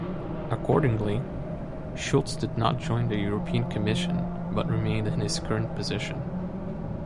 Accordingly, Schulz did not join the European Commission but remained in his current position.